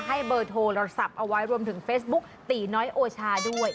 ให้เบอร์โทรศัพท์เอาไว้รวมถึงเฟซบุ๊กตีน้อยโอชาด้วย